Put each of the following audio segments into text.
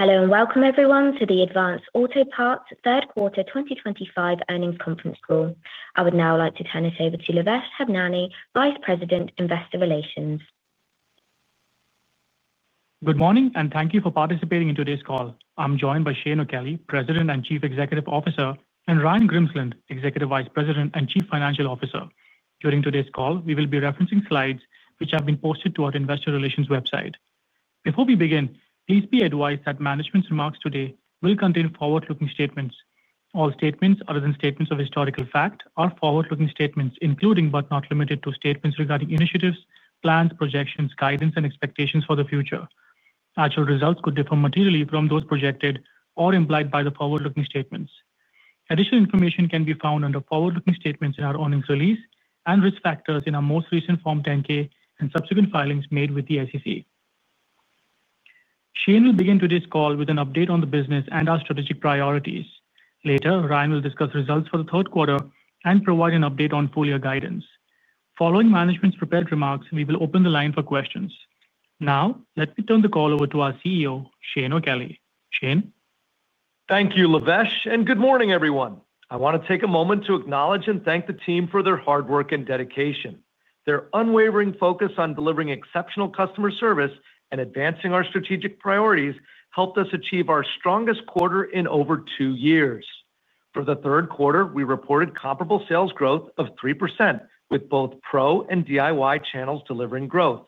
Hello and welcome everyone to the Advance Auto Parts third quarter 2025 earnings conference call. I would now like to turn it over to Lavesh Hemnani, Vice President, Investor Relations. Good morning and thank you for participating in today's call. I'm joined by Shane O'Kelly, President and Chief Executive Officer, and Ryan Grimsland, Executive Vice President and Chief Financial Officer. During today's call we will be referencing slides which have been posted to our Investor Relations website. Before we begin, please be advised that management's remarks today will contain forward-looking statements. All statements other than statements of historical fact are forward-looking statements, including but not limited to statements regarding initiatives, plans, projections, guidance, and expectations for the future. Actual results could differ materially from those projected or implied by the forward-looking statements. Additional information can be found under forward-looking statements in our earnings release and risk factors in our most recent Form 10-K and subsequent filings made with the SEC. Shane will begin today's call with an update on the business and our strategic priorities. Later, Ryan will discuss results for the third quarter and provide an update on full year guidance. Following management's prepared remarks, we will open the line for questions. Now let me turn the call over to our CEO, Shane O'Kelly. Shane? Thank you Lavesh and good morning everyone. I want to take a moment to acknowledge and thank the team for their hard work and dedication. Their unwavering focus on delivering exceptional customer service and advancing our strategic priorities helped us achieve our strongest quarter in over two years. For the third quarter, we reported comparable sales growth of 3% with both Pro and DIY channels delivering growth.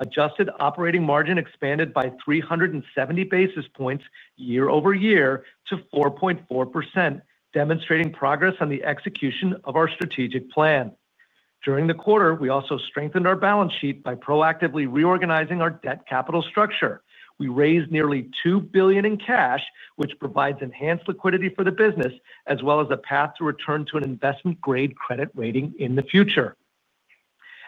Adjusted operating margin expanded by 370 basis points year-over-year to 4.4%, demonstrating progress on the execution of our strategic plan. During the quarter, we also strengthened our balance sheet by proactively reorganizing our debt capital structure. We raised nearly $2 billion in cash, which provides enhanced liquidity for the business as well as a path to return to an investment-grade credit rating in the future.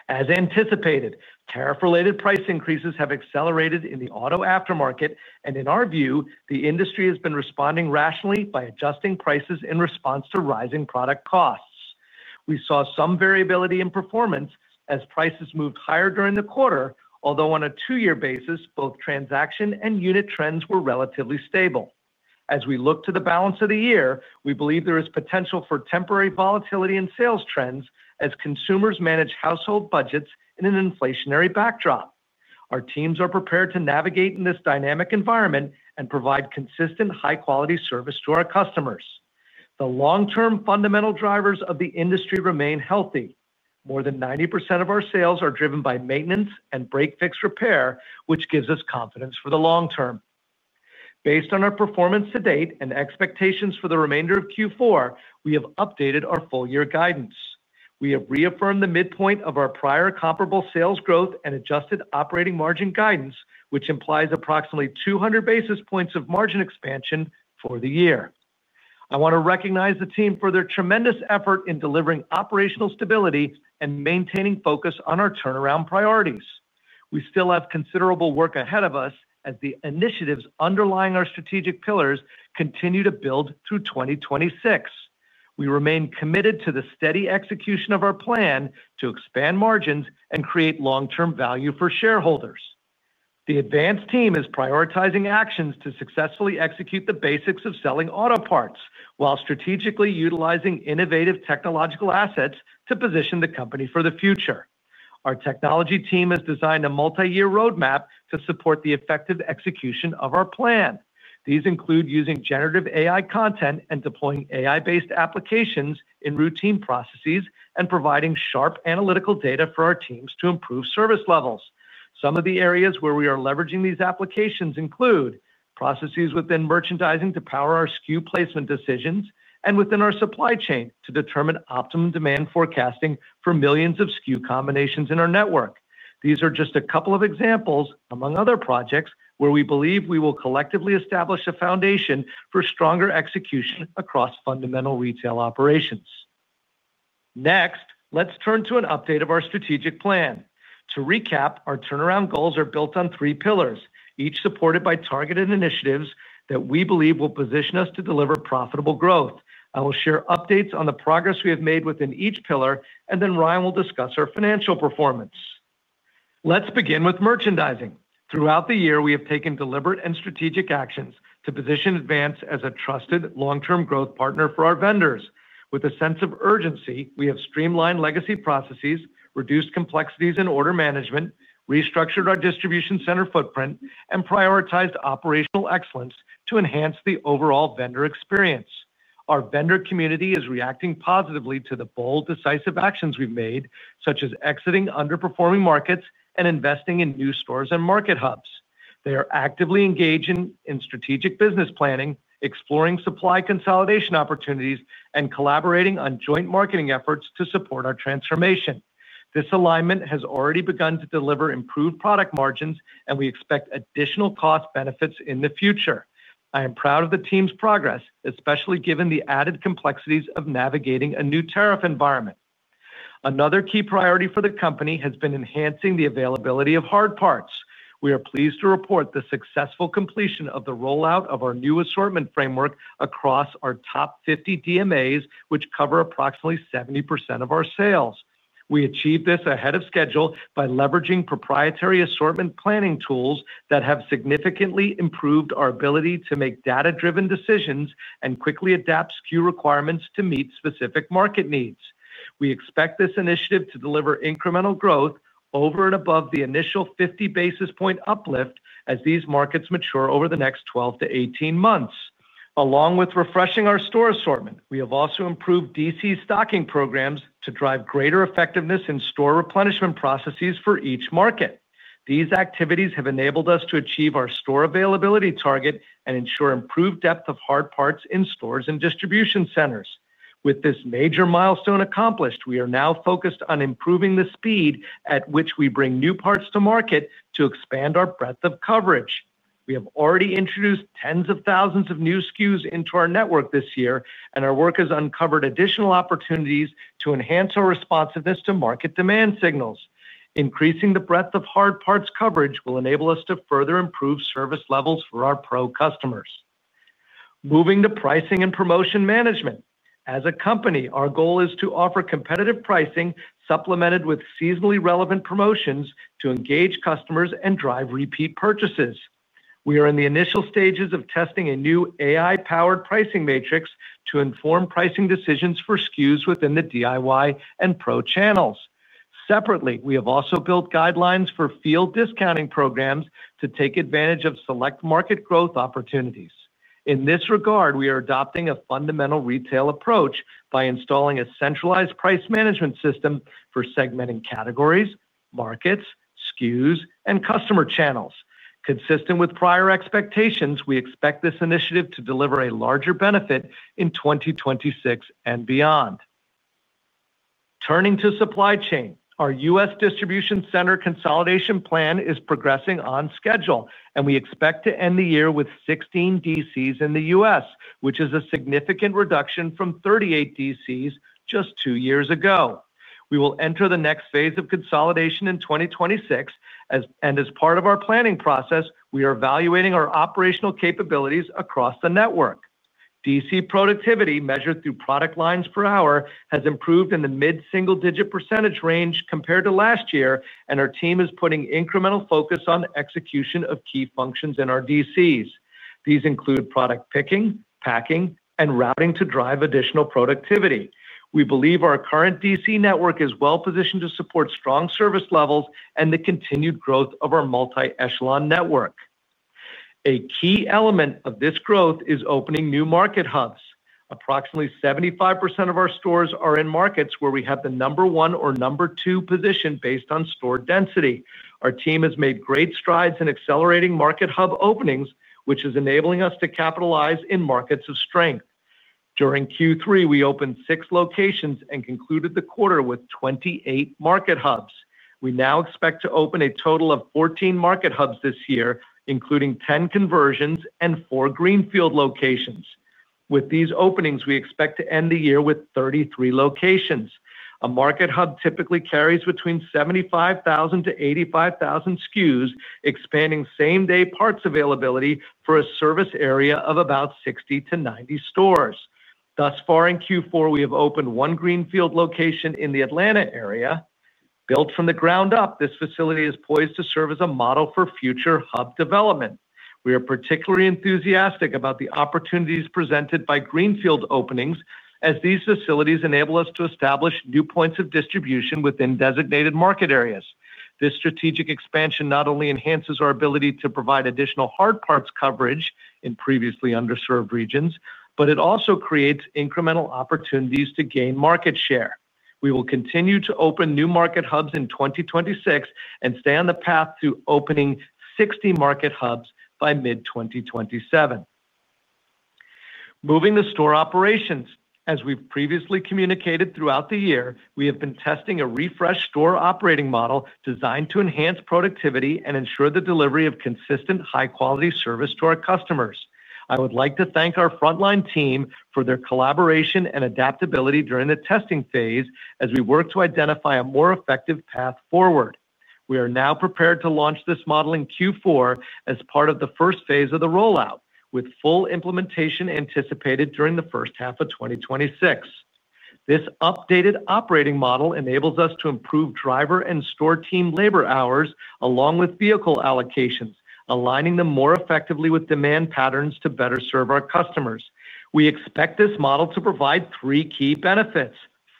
As anticipated, tariff-related price increases have accelerated in the auto aftermarket, and in our view, the industry has been responding rationally by adjusting prices in response to rising product costs. We saw some variability in performance as prices moved higher during the quarter, although on a two-year basis both transaction and unit trends were relatively stable. As we look to the balance of the year, we believe there is potential for temporary volatility in sales trends as consumers manage household budgets in an inflationary backdrop. Our teams are prepared to navigate in this dynamic environment and provide consistent, high-quality service to our customers. The long-term fundamental drivers of the industry remain healthy. More than 90% of our sales are driven by maintenance and break-fix repair, which gives us confidence for the long term. Based on our performance to date and expectations for the remainder of Q4, we have updated our full-year guidance. We have reaffirmed the midpoint of our prior comparable sales growth and adjusted operating margin guidance, which implies approximately 200 basis points of margin expansion for the year. I want to recognize the team for their tremendous effort in delivering operational stability and maintaining focus on our turnaround priorities. We still have considerable work ahead of us as the initiatives underlying our strategic pillars continue to build through 2026. We remain committed to the steady execution of our plan to expand margins and create long-term value for shareholders. The Advance team is prioritizing actions to successfully execute the basics of selling auto parts while strategically utilizing innovative technological assets to position the company for the future. Our technology team has designed a multi-year roadmap to support the effective execution of our plan. These include using generative AI content and deploying AI-based applications in routine processes and providing sharp analytical data for our teams to improve service levels. Some of the areas where we are leveraging these applications include processes within merchandising to power our SKU placement decisions and within our supply chain to determine optimum demand forecasting for millions of SKU combinations in our network. These are just a couple of examples among other projects where we believe we will collectively establish a foundation for stronger execution across fundamental retail operations. Next, let's turn to an update of our strategic plan. To recap, our turnaround goals are built on three pillars, each supported by targeted initiatives that we believe will position us to deliver profitable growth. I will share updates on the progress we have made within each pillar, and then Ryan will discuss our financial performance. Let's begin with merchandising. Throughout the year, we have taken deliberate and strategic actions to position Advance Auto Parts as a trusted long-term growth partner for our vendors. With a sense of urgency, we have streamlined legacy processes, reduced complexities in order management, restructured our distribution center footprint, and prioritized operational excellence to enhance the overall vendor experience. Our vendor community is reacting positively to the bold, decisive actions we've made, such as exiting underperforming markets and investing in new stores and market hubs. They are actively engaging in strategic business planning, exploring supply consolidation opportunities, and collaborating on joint marketing efforts to support our transformation. This alignment has already begun to deliver improved product margins, and we expect additional cost benefits in the future. I am proud of the team's progress, especially given the added complexities of navigating a new tariff environment. Another key priority for the company has been enhancing the availability of hard parts. We are pleased to report the successful completion of the rollout of our new assortment framework across our top 50 Designated Market Areas (DMAs), which cover approximately 70% of our sales. We achieved this ahead of schedule by leveraging proprietary assortment planning tools that have significantly improved our ability to make data-driven decisions and quickly adapt SKU requirements to meet specific market needs. We expect this initiative to deliver incremental growth over and above the initial 50 basis point uplift as these markets mature over the next 12-18 months. Along with refreshing our store assortment, we have also improved distribution center stocking programs to drive greater effectiveness in store replenishment processes for each market. These activities have enabled us to achieve our store availability target and ensure improved depth of hard parts in stores and distribution centers. With this major milestone accomplished, we are now focused on improving the speed at which we bring new parts to market to expand our breadth of coverage. We have already introduced tens of thousands of new SKUs into our network this year, and our work has uncovered additional opportunities to enhance our responsiveness to market demand signals. Increasing the breadth of hard parts coverage will enable us to further improve service levels for our Pro customers. Moving to Pricing and Promotion Management, as a company, our goal is to offer competitive pricing, supplemented with seasonally relevant promotions to engage customers and drive repeat purchases. We are in the initial stages of testing a new AI-powered pricing matrix to inform pricing decisions for SKUs within the DIY and Pro channels. Separately, we have also built guidelines for field discounting programs to take advantage of select market growth opportunities. In this regard, we are adopting a fundamental retail approach by installing a centralized price management system for segmenting categories, markets, SKUs, and customer channels. Consistent with prior expectations, we expect this initiative to deliver a larger benefit in 2026 and beyond. Turning to supply chain, our U.S. Distribution Center consolidation plan is progressing on schedule, and we expect to end the year with 16 DCs in the U.S., which is a significant reduction from 38 DCs just two years ago. We will enter the next phase of consolidation in 2026, and as part of our planning process, we are evaluating our operational capabilities across the network. DC productivity, measured through product lines per hour, has improved in the mid-single digit percentage range compared to last year, and our team is putting incremental focus on execution of key functions in our DCs. These include product picking, packing, and routing to drive additional productivity. We believe our current DC network is well positioned to support strong service levels and the continued growth of our multi-echelon network. A key element of this growth is opening new market hubs. Approximately 75% of our stores are in markets where we have the number one or number two position based on store density. Our team has made great strides in accelerating market hub openings, which is enabling us to capitalize in markets of strength. During Q3, we opened 6 locations and concluded the quarter with 28 market hubs. We now expect to open a total of 14 market hubs this year, including 10 conversions and 4 greenfield locations. With these openings, we expect to end the year with 33 locations. A market hub typically carries between 75,000-85,000 SKUs, expanding same day parts availability for a service area of about 60-90 stores. Thus far in Q4, we have opened one greenfield location in the Atlanta area. Built from the ground up, this facility is poised to serve as a model for future hub development. We are particularly enthusiastic about the opportunities presented by greenfield openings as these facilities enable us to establish new points of distribution within designated market areas. This strategic expansion not only enhances our ability to provide additional hard parts coverage in previously underserved regions, but it also creates incremental opportunities to gain market share. We will continue to open new market hubs in 2026 and stay on the path to opening 60 market hubs by mid-2027. Moving to store operations, as we've previously communicated throughout the year, we have been testing a refresh store operating model designed to enhance productivity and ensure the delivery of consistent, high quality service to our customers. I would like to thank our frontline team for their collaboration and adaptability during the testing phase as we work to identify a more effective path forward. We are now prepared to launch this model in Q4 as part of the first phase of the rollout, with full implementation anticipated during the first half of 2026. This updated operating model enables us to improve driver and store team labor hours along with vehicle allocations, aligning them more effectively with demand patterns to better serve our customers. We expect this model to provide three key benefits.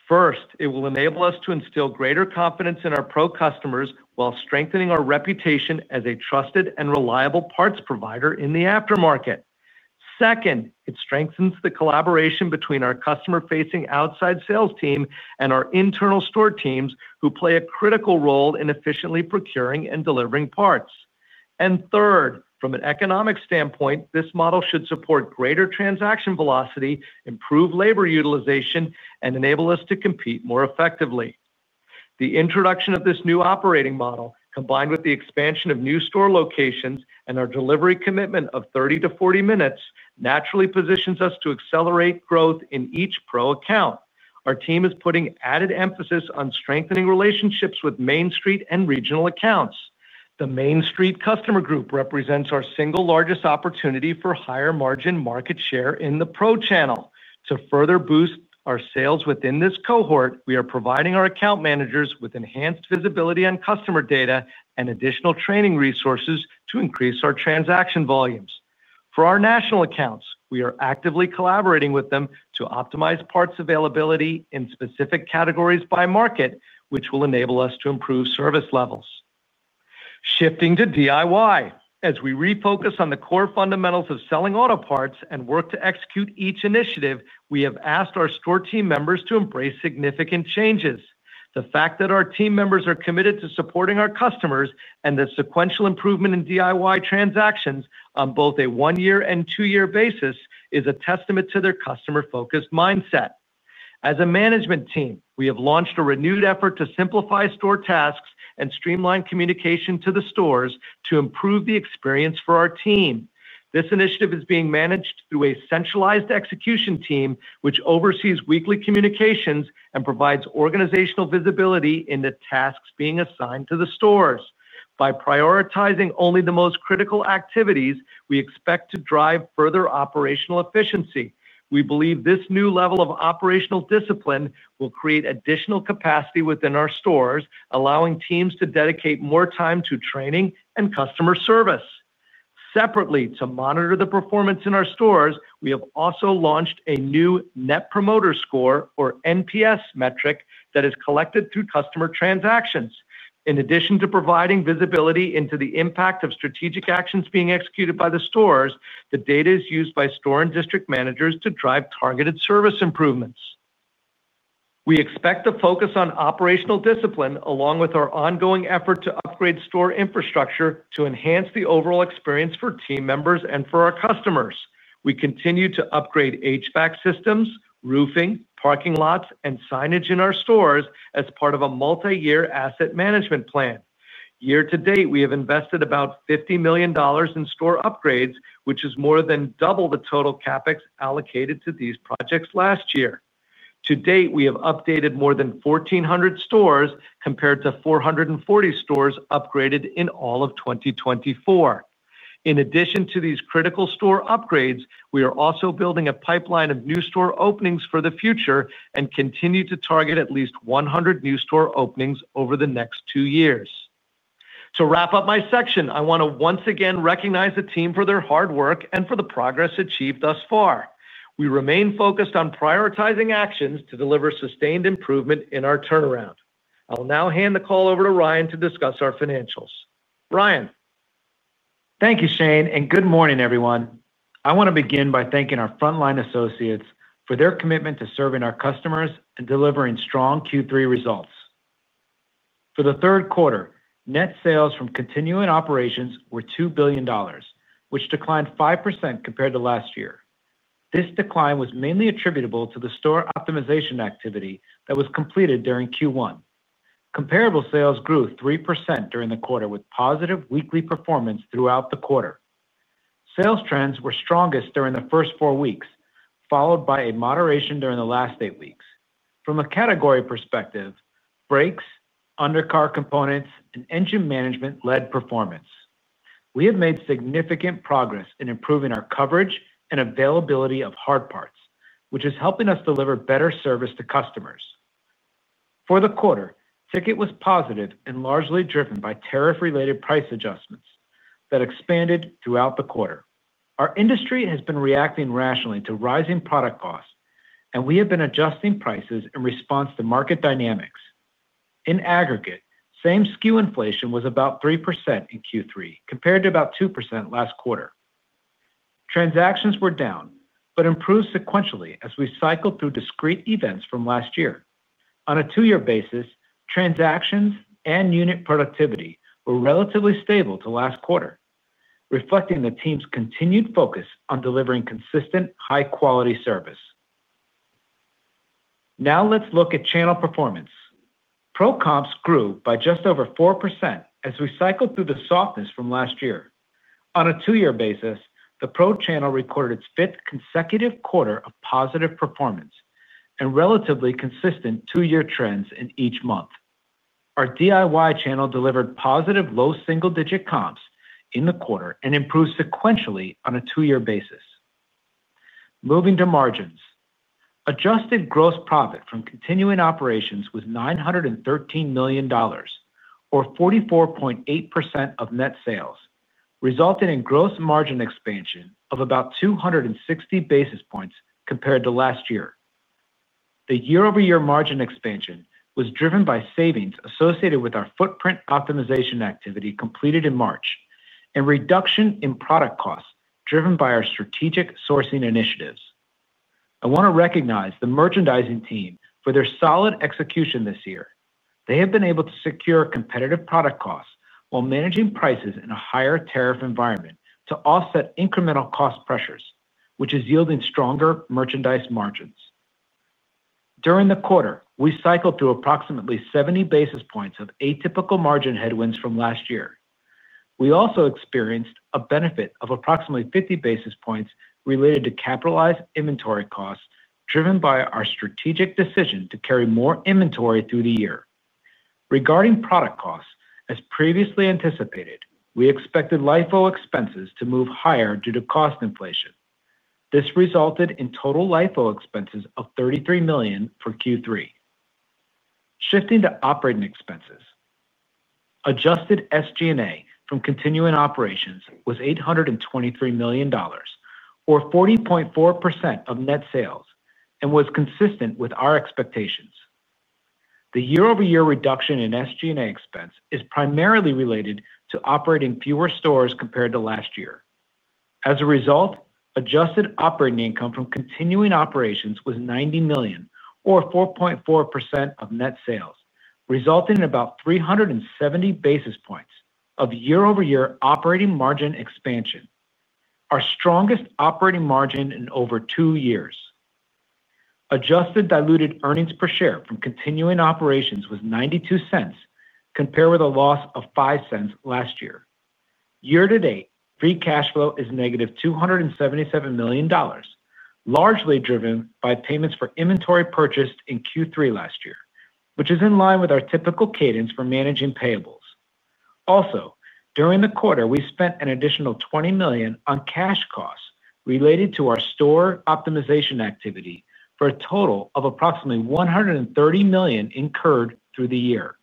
First, it will enable us to instill greater confidence in our Pro customers while strengthening our reputation as a trusted and reliable parts provider in the aftermarket. Second, it strengthens the collaboration between our customer-facing outside sales team and our internal store teams who play a role in efficiently procuring and delivering parts. Third, from an economic standpoint, this model should support greater transaction velocity, improve labor utilization, and enable us to compete more effectively. The introduction of this new operating model combined with the expansion of new store locations and our delivery commitment of 30-40 minutes naturally positions us to accelerate growth in each Pro account. Our team is putting added emphasis on strengthening relationships with Main Street and regional accounts. The Main Street customer group represents our single largest opportunity for higher margin market share in the Pro channel. To further boost our sales within this cohort, we are providing our account managers with enhanced visibility on customer data and additional training resources to increase our transaction volumes. For our national accounts, we are actively collaborating with them to optimize parts availability in specific categories by market, which will enable us to improve service levels. Shifting to DIY, as we refocus on the core fundamentals of selling auto parts and work to execute each initiative, we have asked our store team members to embrace significant changes. The fact that our team members are committed to supporting our customers and the sequential improvement in DIY transactions on both a one year and two year basis is a testament to their customer-focused mindset. As a management team, we have launched a renewed effort to simplify store tasks and streamline communication to the stores to improve the experience for our team. This initiative is being managed through a centralized execution team, which oversees weekly communications and provides organizational visibility in the tasks being assigned to the stores. By prioritizing only the most critical activities, we expect to drive further operational efficiency. We believe this new level of operational discipline will create additional capacity within our stores, allowing teams to dedicate more time to training and customer service separately. To monitor the performance in our stores, we have also launched a new Net Promoter Score, or NPS, metric that is collected through customer transactions. In addition to providing visibility into the impact of strategic actions being executed by the stores, the data is used by store and district managers to drive targeted service improvements. We expect to focus on operational discipline along with our ongoing effort to upgrade store infrastructure. To enhance the overall experience for team members and for our customers, we continue to upgrade HVAC systems, reroofing, parking lots, and signage in our stores as part of a multi-year asset management plan. Year-to-date, we have invested about $50 million in store upgrades, which is more than double the total CapEx allocated to these projects last year. To date, we have updated more than 1,400 stores compared to 440 stores upgraded in all of 2024. In addition to these critical store upgrades, we are also building a pipeline of new store openings for the future and continue to target at least 100 new store openings over the next two years. To wrap up my section, I want to once again recognize the team for their hard work and for the progress achieved thus far. We remain focused on prioritizing actions to deliver sustained improvement in our turnaround. I will now hand the call over to Ryan to discuss our financials. Ryan? Thank you, Shane, and good morning, everyone. I want to begin by thanking our frontline associates for their commitment to serving our customers and delivering strong Q3 results for the third quarter. Net sales from continuing operations were $2 billion, which declined 5% compared to last year. This decline was mainly attributable to the store optimization activity that was completed during Q1. Comparable sales grew 3% during the quarter with positive weekly performance throughout the quarter. Sales trends were strongest during the first four weeks, followed by a moderation during the last eight weeks. From a category perspective, brakes, undercar components, and engine management led performance. We have made significant progress in improving our coverage and availability of hard parts, which is helping us deliver better service to customers. For the quarter, ticket was positive and largely driven by tariff-related price adjustments that expanded throughout the quarter. Our industry has been reacting rationally to rising product costs, and we have been adjusting prices in response to market dynamics. In aggregate, same SKU inflation was about 3% in Q3 compared to about 2% last quarter. Transactions were down but improved sequentially as we cycled through discrete events from last year on a two-year basis. Transactions and unit productivity were relatively stable to last quarter, reflecting the team's continued focus on delivering consistent, high-quality service. Now let's look at channel performance. Pro comps grew by just over 4% as we cycled through the softness from last year on a two-year basis. The Pro channel recorded its fifth consecutive quarter of positive performance and relatively consistent two-year trends in each month. Our DIY channel delivered positive low single-digit comps in the quarter and improved sequentially on a two-year basis. Moving to margins, adjusted gross profit from continuing operations was $913 million, or 44.8% of net sales, resulting in gross margin expansion of about 260 basis points compared to last year. The year-over-year margin expansion was driven by savings associated with our footprint optimization activity completed in March and reduction in product costs driven by our strategic sourcing initiatives. I want to recognize the merchandising team for their solid execution this year. They have been able to secure competitive product costs while managing prices in a higher tariff environment to offset incremental cost pressures, which is yielding stronger merchandise margins. During the quarter, we cycled through approximately 70 basis points of atypical margin headwinds from last year. We also experienced a benefit of approximately 50 basis points related to capitalized inventory costs driven by our strategic decision to carry more inventory through the year. Regarding product costs, as previously anticipated, we expected LIFO expenses to move higher due to cost inflation. This resulted in total LIFO expenses of $33 million for Q3. Shifting to operating expenses, adjusted SG&A from continuing operations was $823 million or 40.4% of net sales and was consistent with our expectations. The year-over-year reduction in SG&A expense is primarily related to operating fewer stores compared to last year. As a result, adjusted operating income from continuing operations was $90 million or 4.4% of net sales, resulting in about 370 basis points of year-over-year operating margin expansion. Our strongest operating margin in over two years, adjusted diluted earnings per share from continuing operations was $0.92 compared with a loss of $0.05 last year. Year-to-date free cash flow is -$277 million, largely driven by payments for inventory purchased in Q3 last year, which is in line with our typical cadence for managing payables. Also, during the quarter we spent an additional $20 million on cash costs related to our store optimization activity for a total of approximately $130 million incurred through the year.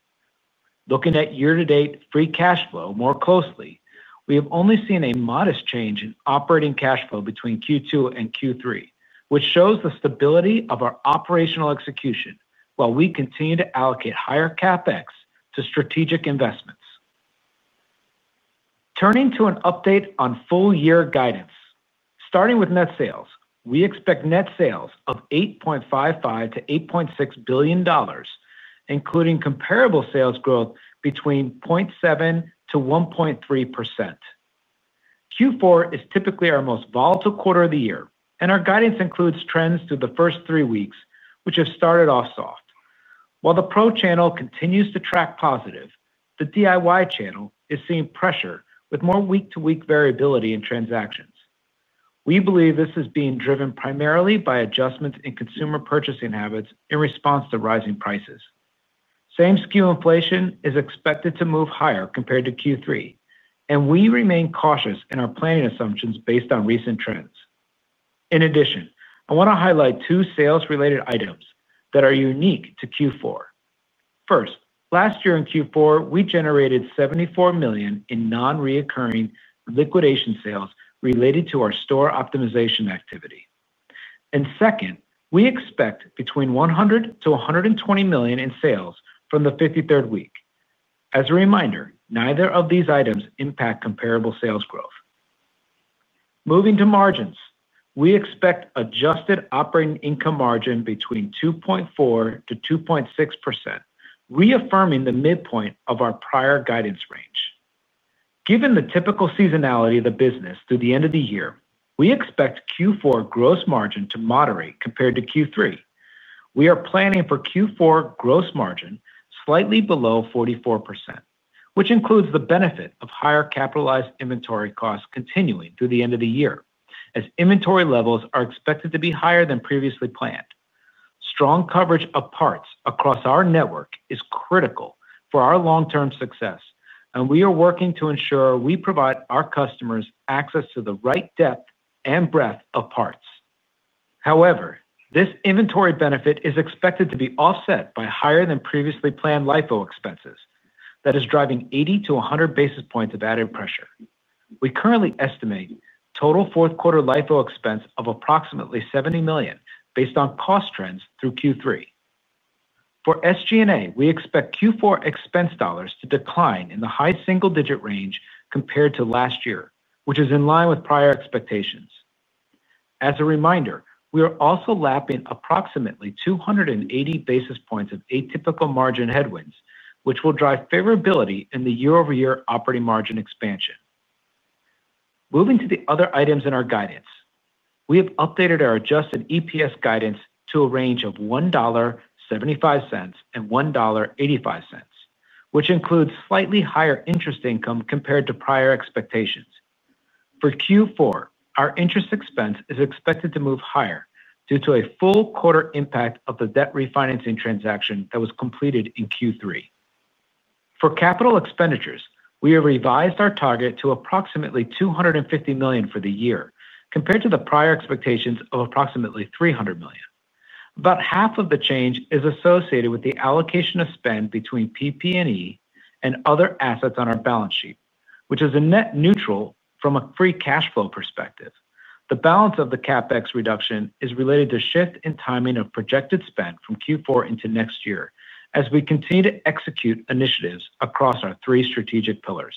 Looking at year-to-date free cash flow more closely, we have only seen a modest change in operating cash flow between Q2 and Q3, which shows the stability of our operational execution while we continue to allocate higher CapEx to strategic investments. Turning to an update on full year guidance, starting with net sales, we expect net sales of $8.55-$8.6 billion, including comparable sales growth between 0.7%-1.3%. Q4 is typically our most volatile quarter of the year and our guidance includes trends through the first three weeks, which have started off soft. While the Pro channel continues to track positive, the DIY channel is seeing pressure with more week-to-week variability in transactions. We believe this is being driven primarily by adjustments in consumer purchasing habits in response to rising prices. Same SKU inflation is expected to move higher compared to Q3, and we remain cautious in our planning assumptions based on recent trends. In addition, I want to highlight two sales-related items that are unique to Q4. First, last year in Q4 we generated $74 million in non-recurring liquidation sales related to our store optimization activity, and second, we expect between $100 million-$120 million in sales from the 53rd week. As a reminder, neither of these items impact comparable sales growth. Moving to margins, we expect adjusted operating income margin between 2.4%-2.6%, reaffirming the midpoint of our prior guidance range. Given the typical seasonality of the business through the end of the year, we expect Q4 gross margin to moderate compared to Q3. We are planning for Q4 gross margin slightly below 44%, which includes the benefit of higher capitalized inventory costs continuing through the end of the year as inventory levels are expected to be higher than previously planned. Strong coverage of parts across our network is critical for our long-term success, and we are working to ensure we provide our customers access to the right depth and breadth of parts. However, this inventory benefit is expected to be offset by higher than previously planned LIFO expenses that is driving 80-100 basis points of added pressure. We currently estimate total fourth quarter LIFO expense of approximately $70 million. Based on cost trends through Q3 for SG&A, we expect Q4 expense dollars to decline in the high single-digit range compared to last year, which is in line with prior expectations. As a reminder, we are also lapping approximately 280 basis points of atypical margin headwinds, which will drive favorability in the year-over-year operating margin expansion. Moving to the other items in our guidance, we have updated our adjusted EPS guidance to a range of $1.75-$1.85, which includes slightly higher interest income compared to prior expectations for Q4. Our interest expense is expected to move higher due to a full quarter impact of the debt refinancing transaction that was completed in Q3. For capital expenditures, we have revised our target to approximately $250 million for the year compared to the prior expectations of approximately $300 million, but about half of the change is associated with the allocation of spend between PP&E and other assets on our balance sheet, which is a net neutral. From a free cash flow perspective, the balance of the CapEx reduction is related to shift in timing of projected spend from Q4 into next year as we continue to execute initiatives across our three strategic pillars.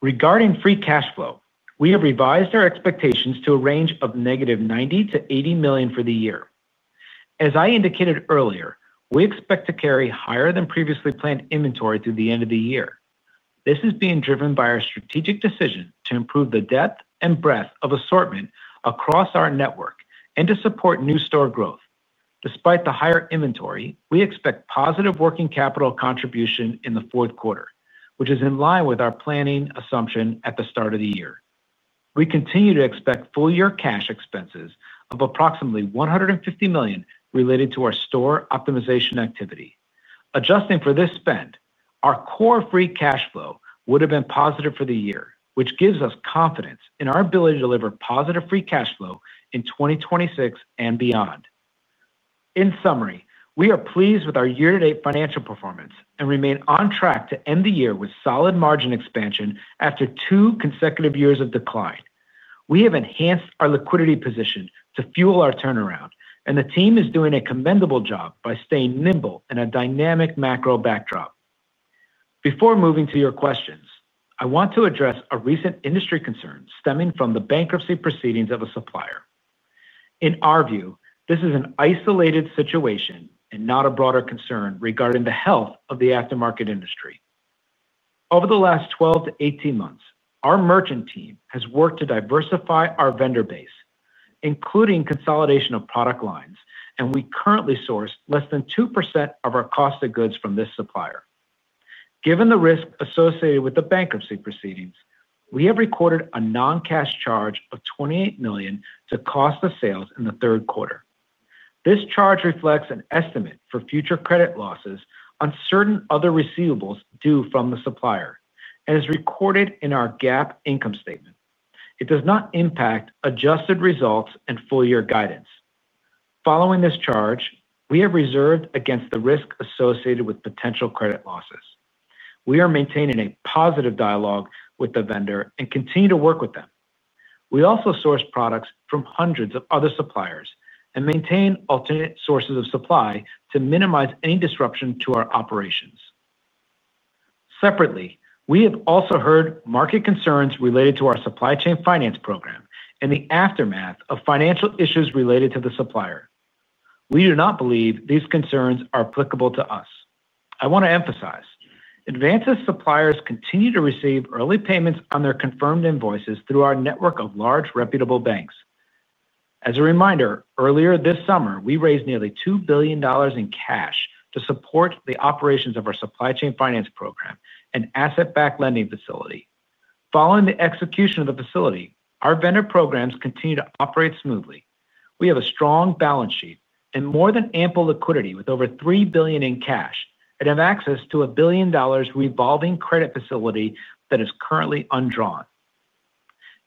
Regarding free cash flow, we have revised our expectations to a range of -$90 million to $80 million for the year. As I indicated earlier, we expect to carry higher than previously planned inventory through the end of the year. This is being driven by our strategic decision to improve the depth and breadth of assortment across our network and to support new store growth. Despite the higher inventory, we expect positive working capital contribution in the fourth quarter, which is in line with our planning assumption. At the start of the year, we continue to expect full year cash expenses of approximately $150 million related to our store optimization activity. Adjusting for this spend, our core free cash flow would have been positive for the year, which gives us confidence in our ability to deliver positive free cash flow in 2026 and beyond. In summary, we are pleased with our year-to-date financial performance and remain on track to end the year with solid margin expansion after two consecutive years of decline. We have enhanced our liquidity position to fuel our turnaround, and the team is doing a commendable job by staying nimble in a dynamic macro backdrop. Before moving to your questions, I want to address a recent industry concern stemming from the bankruptcy proceedings of a supplier. In our view, this is an isolated situation and not a broader concern regarding the health of the aftermarket industry. Over the last 12-18 months, our merchant team has worked to diversify our vendor base, including consolidation of product lines, and we currently source less than 2% of our cost of goods from this supplier. Given the risk associated with the bankruptcy proceedings, we have recorded a non-cash charge of $28 million to cost of sales in the third quarter. This charge reflects an estimate for future credit losses on certain other receivables due from the supplier and is recorded in our GAAP income statement. It does not impact adjusted results and full year guidance. Following this charge, we have reserved against the risk associated with potential credit losses. We are maintaining a positive dialogue with the vendor and continue to work with them. We also source products from hundreds of other suppliers and maintain alternate sources of supply to minimize any disruption to our operations. Separately, we have also heard market concerns related to our supply chain finance program and the aftermath of financial issues related to the supplier. We do not believe these concerns are applicable to us. I want to emphasize Advance's suppliers continue to receive early payments on their confirmed invoices through our network of large reputable banks. As a reminder, earlier this summer we raised nearly $2 billion in cash to support the operations of our supply chain finance program, an asset-backed lending facility. Following the execution of the facility, our vendor programs continue to operate smoothly. We have a strong balance sheet and more than ample liquidity with over $3 billion in cash and have access to a $1 billion revolving credit facility that is currently undrawn.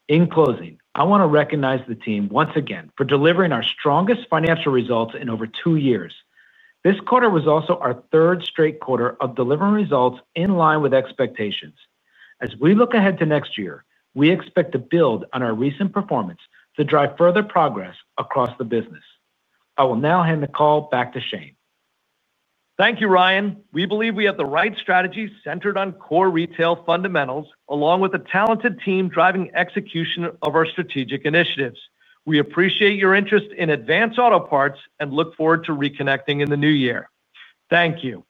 In closing, I want to recognize the team once again for delivering our strongest financial results in over two years. This quarter was also our third straight quarter of delivering results in line with expectations. As we look ahead to next year, we expect to build on our recent performance to drive further progress across the business. I will now hand the call back to Shane. Thank you, Ryan. We believe we have the right strategy centered on core retail fundamentals along with a talented team driving execution of our strategic initiatives. We appreciate your interest in Advance Auto Parts and look forward to reconnecting in the new year. Thank you,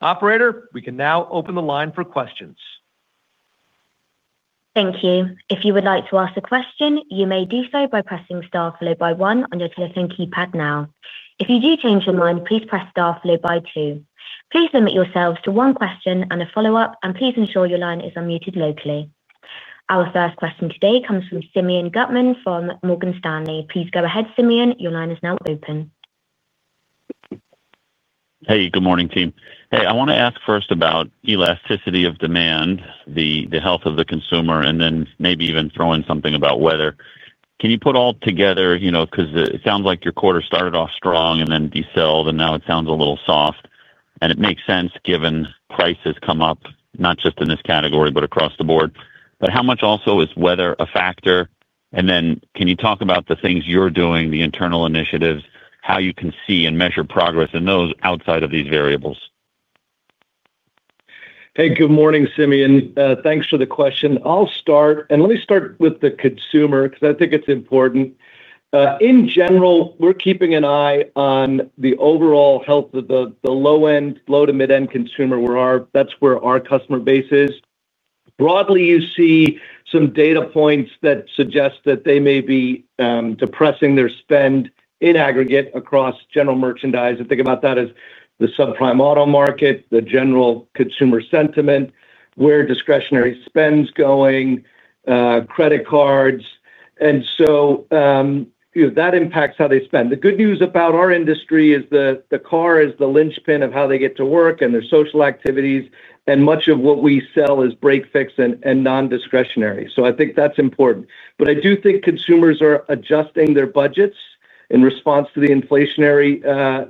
operator. We can now open the line for questions. Thank you. If you would like to ask a question, you may do so by pressing star followed by one on your telephone keypad. If you do change your mind, please press star followed by two. Please limit yourselves to one question and a follow up. Please ensure your line is unmuted locally. Our first question today comes from Simeon Gutman from Morgan Stanley. Please go ahead, Simeon. Your line is now open. Hey, good morning, team. Hey, I want to ask first about elasticity of demand, the health of the consumer, and then maybe even throw in something about weather. Can you put all together, you know, because it sounds like your quarter started off strong and then decelled and now it sounds a little soft, and it makes sense given prices come up not just in this category but across the board. How much also is weather a factor? Can you talk about the things you're doing, the internal initiatives, how you can see and measure progress in those outside of these variables? Hey, good morning, Simeon. Thanks for the question. I'll start, and let me start with the consumer because I think it's important in general we're keeping an eye on the overall health of the low end, low to mid end consumer where our, that's where our customer base is. Broadly, you see some data points that suggest that they may be depressing their spend in aggregate across general merchandise. Think about that as the subprime auto market, the general consumer sentiment where discretionary spend's going, credit cards. That impacts how they spend. The good news about our industry is the car is the linchpin of how they get to work and their social activities. Much of what we sell is break fix and non discretionary. I think that's important. I do think consumers are adjusting their budgets in response to the inflationary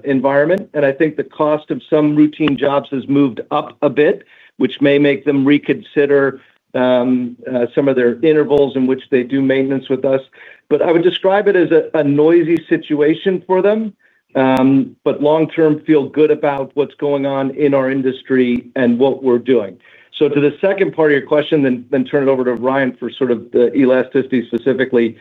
environment. I think the cost of some routine jobs has moved up a bit, which may make them reconsider some of their intervals in which they do maintenance with us. I would describe it as a noisy situation for them. Long term, feel good about what's going on in our industry and what we're doing. To the second part of your question, then turn it over to Ryan for sort of the elasticity specifically.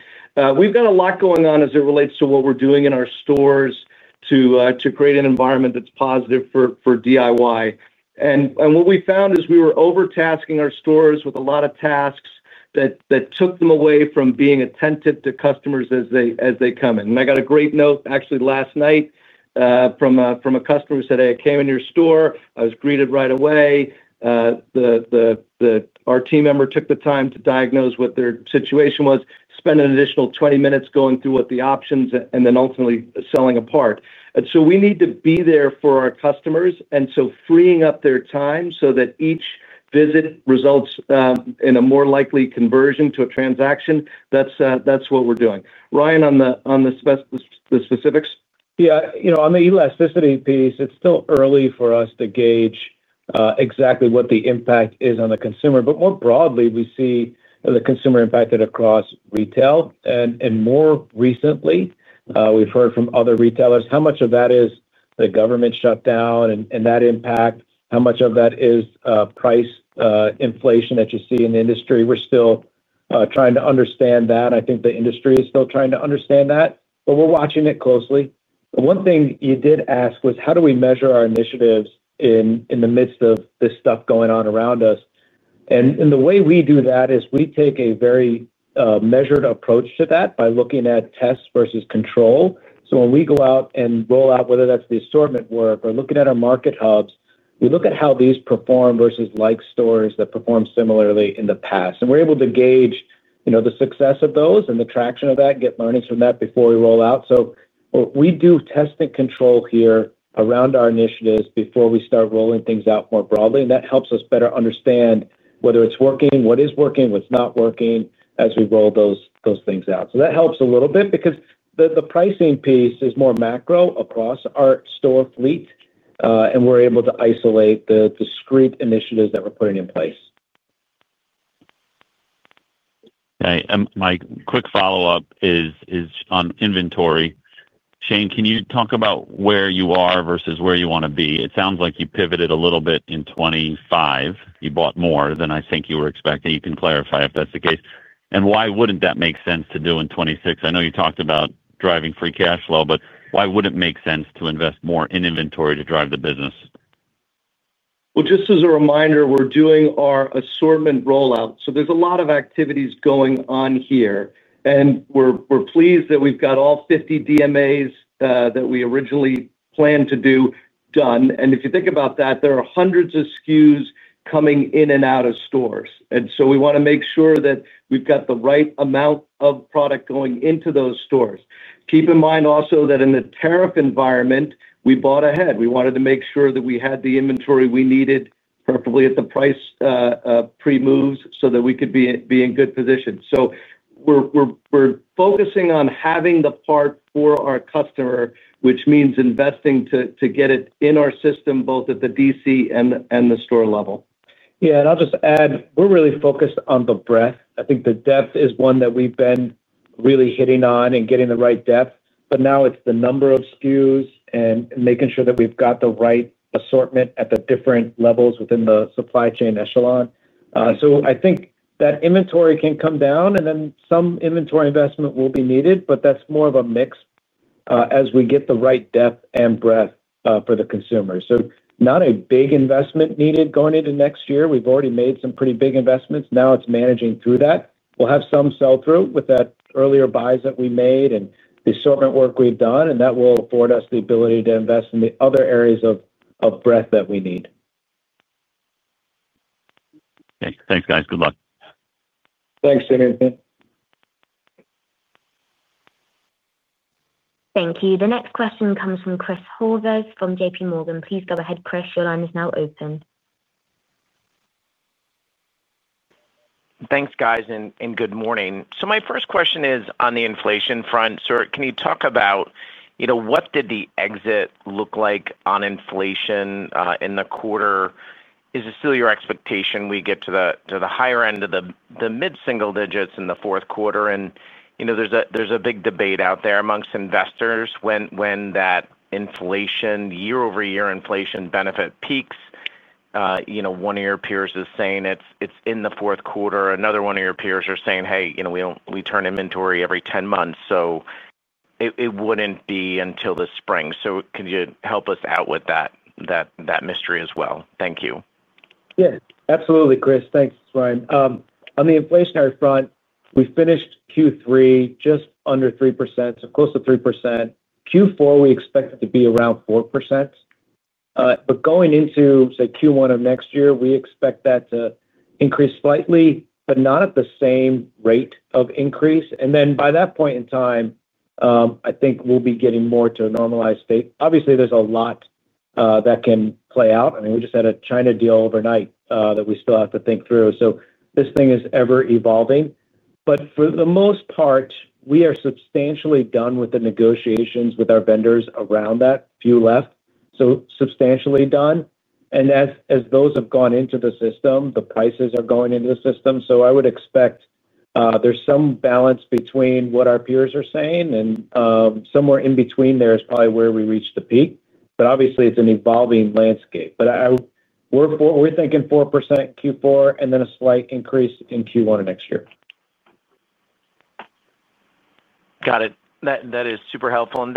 We've got a lot going on as it relates to what we're doing in our stores to create an environment that's positive for DIY and what we found is we were over tasking our stores with a lot of tasks that took them away from being attentive to customers as they come in. I got a great note actually last night from a customer who said, I came in your store. I was greeted right away. Our team member took the time to diagnose what their situation was, spend an additional 20 minutes going through what the options and then ultimately selling a part. We need to be there for our customers and freeing up their time so visit results in a more likely conversion to a transaction. That's what we're doing. Ryan, on the specifics. Yeah. You know, on the elasticity piece, it's still early for us to gauge exactly what the impact is on the consumer. More broadly, we see the consumer impacted across retail. More recently we've heard from other retailers how much of that is the government shutdown and that impact. How much of that is price inflation that you see in the industry? We're still trying to understand that. I think the industry is still trying to understand that, but we're watching it closely. One thing you did ask was how do we measure our initiatives in the midst of this stuff going on around us. The way we do that is we take a very measured approach to that by looking at tests versus control. When we go out and roll out, whether that's the assortment work or looking at our market hubs, you look at how these perform versus like stores that perform similarly in the past and we're able to gauge the success of those and the traction of that and get learnings from that before we roll out. We do test and control here around our initiatives before we start rolling things out more broadly. That helps us better understand whether it's working, what is working, what's not working as we roll those things out. That helps a little bit because the pricing piece is more macro across our store fleet and we're able to isolate the discrete initiatives that we're putting in place. My quick follow up is on inventory. Shane, can you talk about where you are versus where you want to be? It sounds like you pivoted a little bit in 2025. You bought more than I think you were expecting, you can clarify if that's the case. Why wouldn't that make sense to do in 2026? I know you talked about driving free cash flow, but why would it make sense to invest more in inventory to drive the business? As a reminder, we're doing our assortment rollout, so there's a lot of activities going on here, and we're pleased that we've got all 50 DMAs that we originally planned to do done. If you think about that, there are hundreds of SKUs coming in and out of stores, and we want to make sure that we've got the right amount of product going into those stores. Keep in mind also that in the tariff environment, we bought ahead. We wanted to make sure that we had the inventory we needed, preferably at the price pre moves, so that we could be in good position. We're focusing on having the part for our customer, which means investing to get it in our system both at the DC and the store level. Yeah, I'll just add we're really focused on the breadth. I think the depth is one that we've been really hitting on and getting the right depth, but now it's the number of SKUs and making sure that we've got the right assortment at the different levels within the supply chain echelon. I think that inventory can come down and then some inventory investment will be needed. That's more of a mix as we get the right depth and breadth for the consumer. Not a big investment needed going into next year. We've already made some pretty big investments. Now it's managing through that. We'll have some sell through with that earlier buys that we made and the assortment work we've done, and that will afford us the ability to invest in the other areas of breadth that we need. Thanks, guys. Good luck. Thanks, Simeon. Thank you. The next question comes from Chris Horvers from JPMorgan. Please go ahead, Chris. Your line is now open. Thanks guys and good morning. My first question is on the inflation front. Sir, can you talk about what did the exit look like on inflation in the quarter? Is it still your expectation we get to the higher end of the mid single digits in the fourth quarter? There's a big debate out there amongst investors when that year-over-year inflation benefit peaks. One of your peers is saying it's in the fourth quarter. Another one of your peers is saying hey, we turn inventory every 10 months so it wouldn't be until the spring. Can you help us out with that mystery as well? Thank you. Yeah, absolutely Chris. Thanks, this is Ryan. On the inflationary front, we finished Q3 just under 3%. So close to 3%. Q4 we expect it to be around 4%, but going into, say, Q1 of next year, we expect that to increase slightly, but not at the same rate of increase. By that point in time, I think we'll be getting more to a normalized state. Obviously, there's a lot that can play out. I mean, we just had a China deal overnight that we still have to think through. This thing is ever evolving. For the most part, we are substantially done with the negotiations with our vendors around that, a few left. So substantially done. As those have gone into the system, the prices are going into the system. I would expect there's some balance between what our peers are saying, and somewhere in between there is probably where we reach the peak. Obviously, it's an evolving landscape. We're thinking 4% Q4 and then a slight increase in Q1 of next year. Got it. That is super helpful.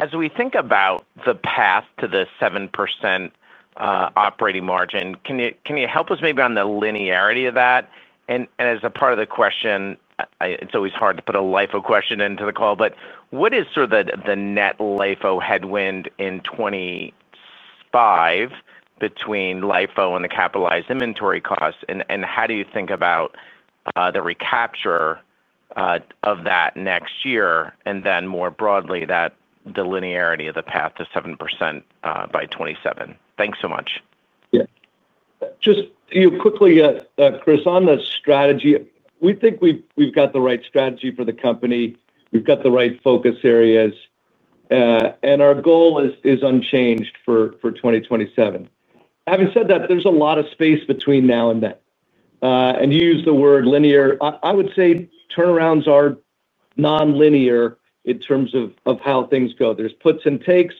As we think about the path to the 7% operating margin, can you help us maybe on the linearity of that, and as a part of the question, it's always hard to put a LIFO question into the call, but what is sort of the net LIFO headwind in 2025 between LIFO and the capitalized inventory costs, and how do you think about the recapture of that next year, and then more broadly, the linearity of the path to 7% by 2027. Thanks so much. Just quickly, Chris. On the strategy, we think we've got the right strategy for the company, we've got the right focus areas and our goal is unchanged for 2027. Having said that, there's a lot of space between now and then and you use the word linear. I would say turnarounds are non linear in terms of how things go. There's puts and takes.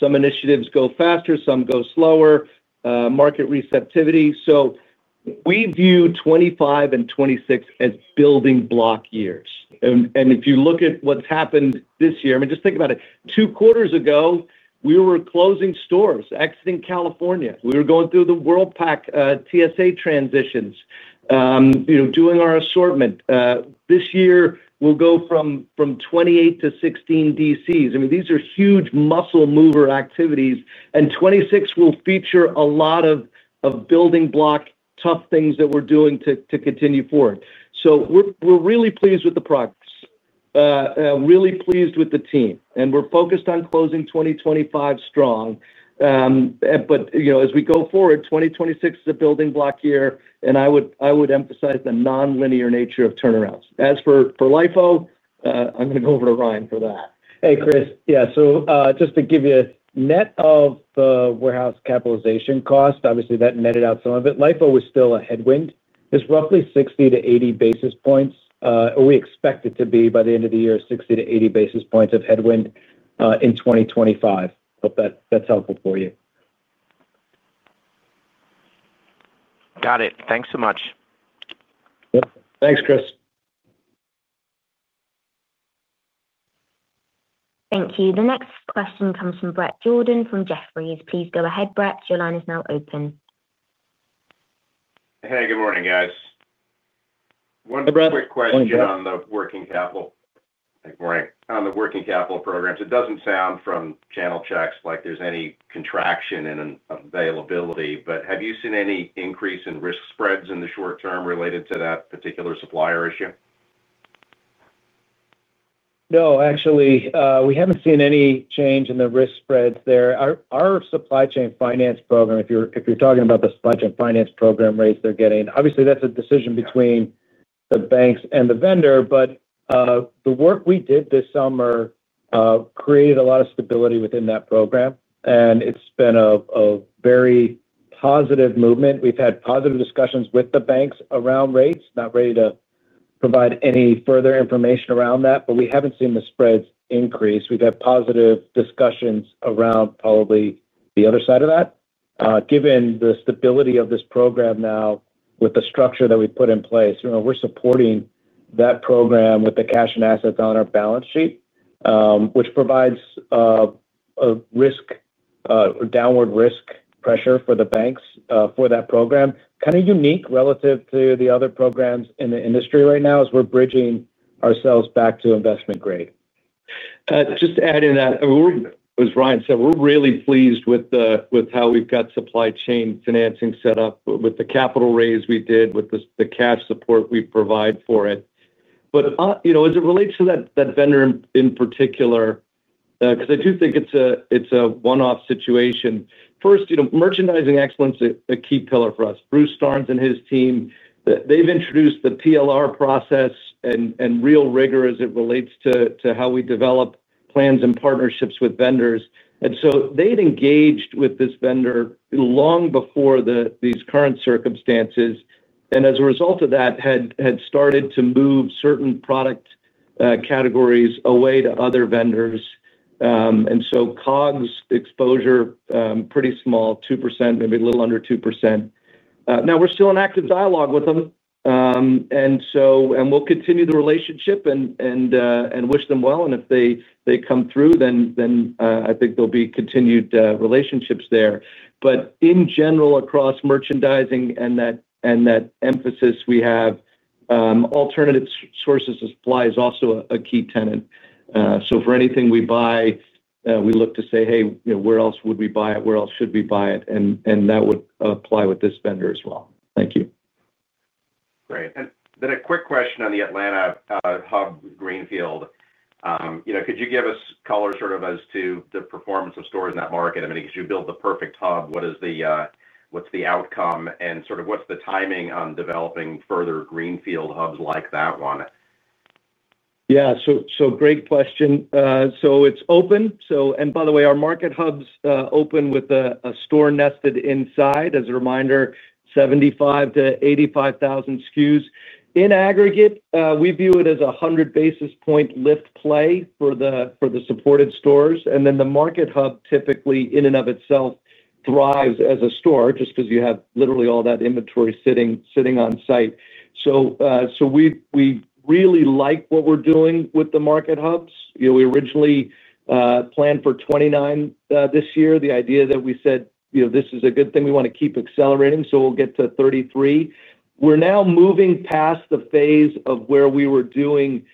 Some initiatives go faster, some go slower, market receptivity. We view 2025 and 2026 as building block years. If you look at what's happened this year, just think about it. Two quarters ago, we were closing stores, exiting California, we were going through the Worldpac TSA transitions, you know, doing our assortment. This year we'll go from 28-16 distribution centers. These are huge muscle mover activities and 2026 will feature a lot of building block tough things that we're doing to continue forward. We're really pleased with the products, really pleased with the team, and we're focused on closing 2025 strong. As we go forward, 2026 is a building block year and I would emphasize the non-linear nature of turnarounds. As for LIFO, I'm going to go over to Ryan for that. Hey Chris. Yeah, just to give you net of the warehouse capitalization cost, obviously that netted out some of it. LIFO is still a headwind, is roughly 60-80 basis points. We expect it to be, by the end of the year, 60-80 basis points of headwind in 2025. Hope that that's helpful for you. Got it. Thanks so much. Thanks, Chris. Thank you. The next question comes from Bret Jordan from Jefferies. Please go ahead, Bret. Your line is now open. Hey, good morning guys. One quick question on the working capital, on the working capital programs. It doesn't sound from channel checks like there's any contraction in availability, but have you seen any increase in risk spreads in the short term related to that particular supplier issue? No, actually we haven't seen any change in the risk spreads there. Our supply chain finance program, if you're talking about the supply chain finance program rates they're getting, obviously that's a decision between the banks and the vendor. The work we did this summer created a lot of stability within that program, and it's been a very positive movement. We've had positive discussions with the banks around rates. Not ready to provide any further information around that, but we haven't seen the spreads increase. We've had positive discussions around probably the other side of that given the stability of this program now with the structure that we put in place. We're supporting that program with the cash and assets on our balance sheet, which provides a downward risk pressure for the banks for that program, kind of unique relative to the other programs in the industry. Right now as we're bridging ourselves back to investment-grade just to add in. That, as Ryan said, we're really pleased with how we've got supply chain finance set up with the capital raise we did with the cash support we provide for it. As it relates to that vendor in particular, because I do think it's a one-off situation. First, merchandising excellence, a key pillar for us, Bruce Starnes and his team, they've introduced the TLR process and real rigor as it relates to how we develop plans and partnerships with vendors. They had engaged with this vendor long before these current circumstances and as a result of that had started to move certain product categories away to other vendors. COGS exposure pretty small, 2%, maybe a little under 2% now. We're still in active dialogue with them and we'll continue the relationship and wish them well. If they come through, then I think there'll be continued relationships there. In general, across merchandising and that emphasis we have, alternative sources of supply is also a key tenet. For anything we buy, we look to say, hey, where else would we buy it? Where else should we buy it? That would apply with this vendor as well. Thank you. Great. A quick question on the Atlanta hub, greenfield, could you give us color as to the performance of stores in that market? You build the perfect hub. What is the, what's the outcome and sort of what's the timing on developing further greenfield hubs like that one? Yeah, great question. It's open. By the way, our market hubs open with a store nested inside as a reminder, 75,000-85,000 SKUs in aggregate. We view it as a 100 basis point lift play for the supported stores. The market hub typically in and of itself thrives as a store just because you have literally all that inventory sitting on site. We really like what we're doing with the market hubs. We originally planned for 29 this year. The idea that we said, this is a good thing, we want to keep accelerating, so we'll get to 33. We're now moving past the phase of where we were doing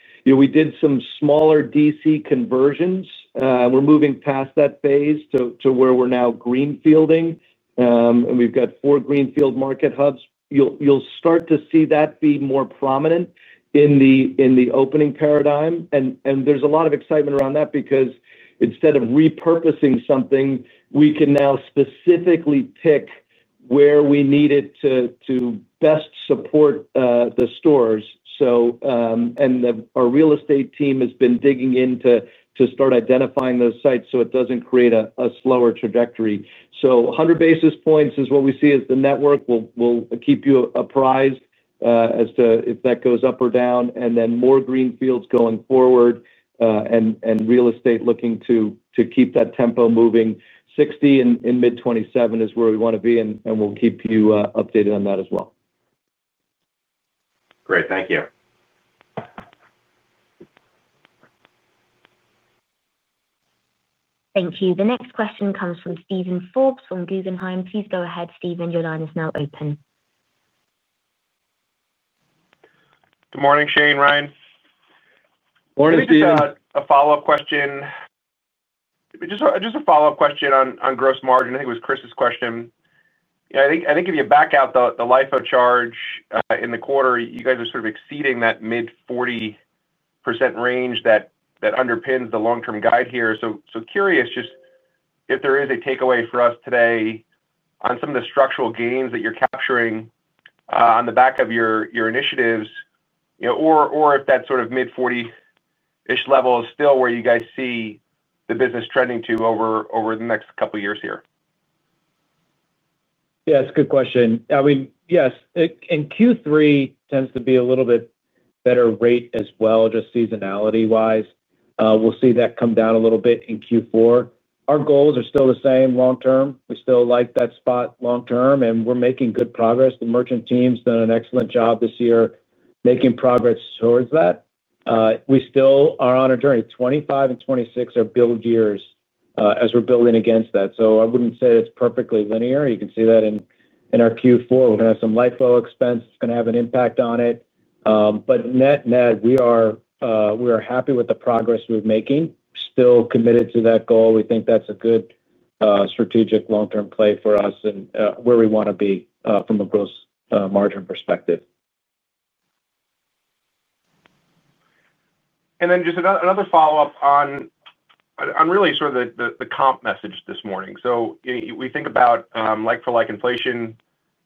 some smaller distribution center conversions. We're moving past that phase to where we're now greenfielding. We've got four greenfield market hubs. You'll start to see that be more prominent in the opening paradigm. There's a lot of excitement around that because instead of repurposing something, we can now specifically pick where we need it to best support the stores. Our real estate team has been digging in to start identifying those sites so it doesn't create a slower trajectory. 100 basis points is what we see as the network. We'll keep you apprised as to if that goes up or down and then more greenfields going forward and real estate looking to keep that tempo moving. 60 and mid 2027 is where we want to be and we'll keep you updated on that as well. Great. Thank you. Thank you. The next question comes from Steven Forbes from Guggenheim. Please go ahead, Stephen. Your line is now open. Good morning, Shane. Ryan. Morning, Steve. A follow up question. Just a follow up question on gross margin. I think it was Chris's question. I think if you back out the LIFO charge in the quarter, you guys are sort of exceeding that mid 40% range that underpinned the long-term guide here. So curious just if there is a takeaway for us today on some of the structural gains that you're capturing on the back of your initiatives, or if that sort of mid-40% level is still where you guys see the business trending to over the next couple years here. Yes, good question. Yes, in Q3 tends to be a little bit better rate as well, just seasonality wise. We'll see that come down a little bit in Q4. Our goals are still the same long term. We still like that spot long term and we're making good progress. The merchant team's done an excellent job this year making progress towards that. We still are on a journey. 2025 and 2026 are build years as we're building against that. I wouldn't say it's perfectly linear. You can see that in our Q4 we're going to have some LIFO expense, it's going to have an impact on it. Net net we are happy with the progress we're making. Still committed to that goal. We think that's a good strategic long term play for us and where we want to be from a gross margin perspective. Just another follow up on really sort of the comp message this morning. We think about like, for like inflation,